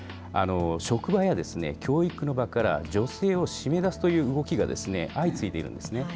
職場や教育の場から女性を締め出すという動きが、相次いでいるんですね。